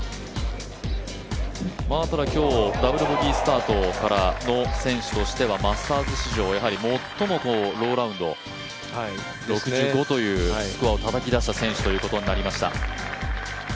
ただ、今日、ダブルボギースタートからの選手としては、マスターズ史上最もローラウンド、６５というスコアをたたき出した選手ということになりました。